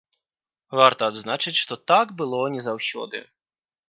Варта адзначыць, што так было не заўсёды.